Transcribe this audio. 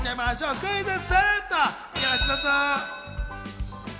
クイズッス！